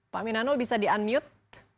pak minano bisa di unmute